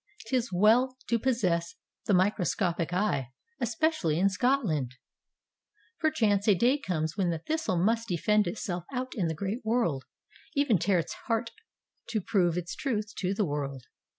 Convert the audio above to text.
''Tis well to possess the micro scopic eye, especially in Scotland ! Perchance a day comes when the thistle must defend itself out in the great world, even tear its heart to prove its truth to the world.